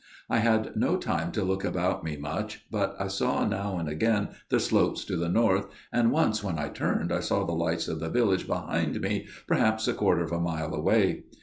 " I had no time to look about me much, but I saw now and again the slopes to the north, and once when I turned I saw the lights of the village behind me, perhaps a quarter of a mile away.